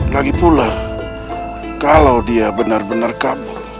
lagipula kalau dia benar benar kabur